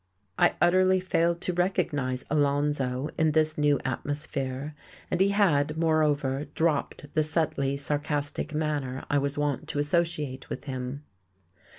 I utterly failed to recognize "Alonzo" in this new atmosphere. And he had, moreover, dropped the subtly sarcastic manner I was wont to associate with him.